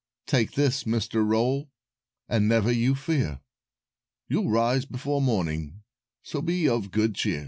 "Take this, Mr. Roll, and never you fear; You'll rise before morning, so be of good cheer."